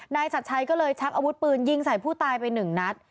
ชัดชัยก็เลยชักอาวุธปืนยิงใส่ผู้ตายไปหนึ่งนัด